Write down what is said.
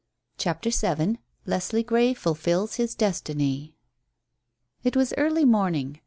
CHAPTER VII LESLIE GREY FULFILS HIS DESTINY It was early morning.